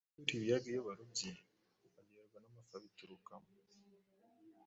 Abaturiye ibiyaga iyo barobye, baryoherwa n’amafi abiturukamo!